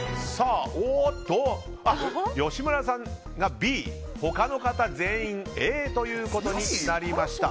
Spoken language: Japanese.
吉村さんがＢで他の方は全員がＡということになりました。